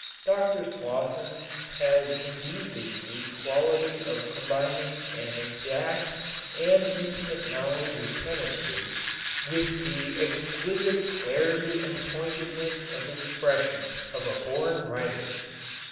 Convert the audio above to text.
Dr. Slosson has indeed the unique quality of combining an exact and intimate knowledge of chemistry with the exquisite clarity and pointedness of expression of a born writer.